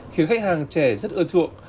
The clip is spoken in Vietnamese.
khiến khách hàng trẻ rất ưa chuộng